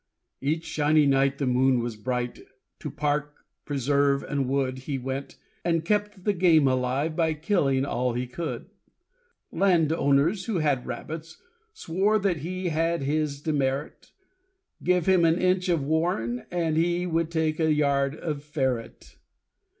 Each "shiny night" the moon was bright, To park, preserve, and wood He went, and kept the game alive, By killing all he could. Land owners, who had rabbits, swore That he had this demerit Give him an inch of warren, he Would take a yard of ferret.